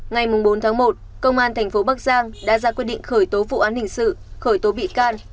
ngày bốn một công an tp bắc giang đã ra quyết định khởi tố vụ án hình sự khởi tố bị can